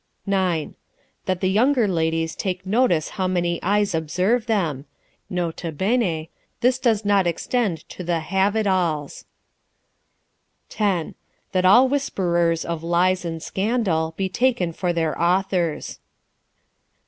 9. " That the younger ladies take notice how many eyes observe them. N.B. This does not extend to the Have at alls. 10. " That all whisperers of lies and scandal, be taken for their authors.